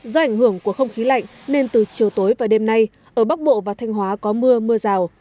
do ảnh hưởng của không khí lạnh nên từ chiều tối và đêm nay ở bắc bộ và thanh hóa có mưa mưa rào